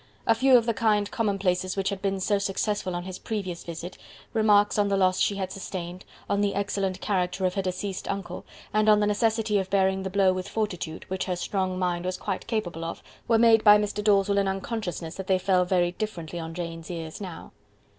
A few of the kind commonplaces which had been so successful on his previous visit remarks on the loss she had sustained, on the excellent character of her deceased uncle, and on the necessity of bearing the blow with fortitude, which her strong mind was quite capable of were made by Mr. Dalzell in unconsciousness that they fell very differently on Jane's ears now.